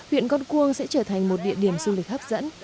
huyện con cuông sẽ trở thành một địa điểm du lịch hấp dẫn